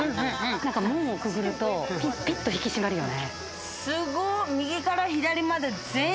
門をくぐると身がぴっと引き締まるよね。